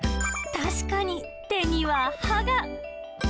確かに手には歯が。